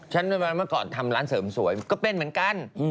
ประมาณเมื่อก่อนทำร้านเสริมสวยก็เป็นเหมือนกัน